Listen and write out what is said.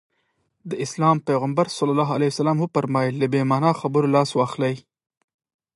د اسلام پيغمبر ص وفرمايل له بې معنا خبرو لاس واخلي.